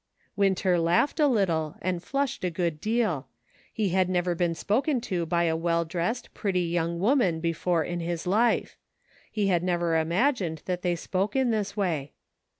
Winter laughed a little, and flushed a good deal. He had never been spoken to by a well dressed, pretty young woman before in his life ; he had never imagined that they spoke in this way.